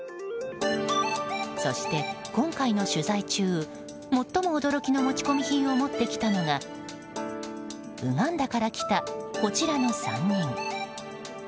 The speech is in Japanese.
そして、今回の取材中最も驚きの持ち込み品を持ってきたのがウガンダから来た、こちらの３人。